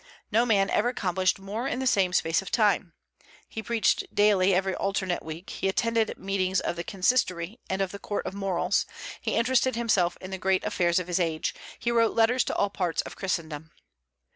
No man ever accomplished more in the same space of time. He preached daily every alternate week; he attended meetings of the Consistory and of the Court of Morals; he interested himself in the great affairs of his age; he wrote letters to all parts of Christendom.